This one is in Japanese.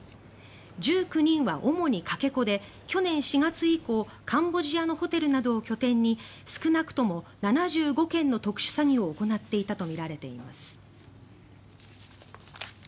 １９人は主にかけ子で去年４月以降カンボジアのホテルなどを拠点に少なくとも７５件の特殊詐欺を行っていたとみられています。